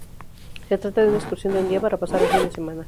Se trata de una excursión de un día para pasar un fin de semana.